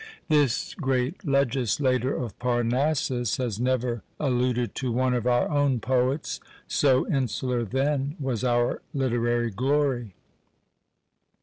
This great legislator of Parnassus has never alluded to one of our own poets, so insular then was our literary glory!